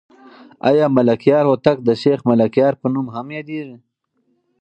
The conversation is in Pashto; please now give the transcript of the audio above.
آیا ملکیار هوتک د شیخ ملکیار په نوم هم یادېږي؟